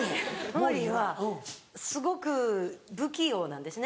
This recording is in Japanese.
モーリーはすごく不器用なんですね。